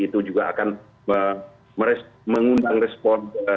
itu juga akan mengundang respon